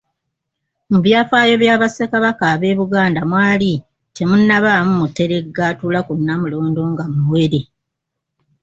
Mu byafaayo bya Bassekabaka b'e Buganda mwali temunnabaamu muteregga atuula ku Nnamulondo nga muwere.